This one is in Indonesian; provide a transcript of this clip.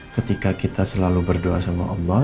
ketika kita selalu berdoa sama allah